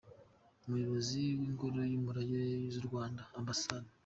Umuyobozi w’Ingoro z’umurage z’u Rwanda, Amb.